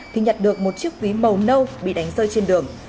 thì nhận được một chiếc quý màu nâu bị đánh rơi trên đường